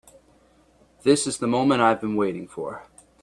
This is the moment I have been waiting for.